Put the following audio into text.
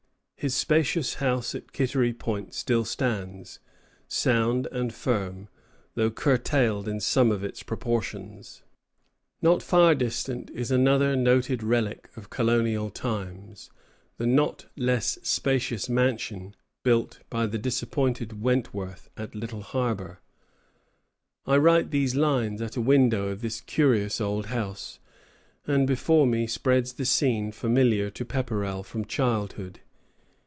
His spacious house at Kittery Point still stands, sound and firm, though curtailed in some of its proportions. Not far distant is another noted relic of colonial times, the not less spacious mansion built by the disappointed Wentworth at Little Harbor. I write these lines at a window of this curious old house, and before me spreads the scene familiar to Pepperrell from childhood.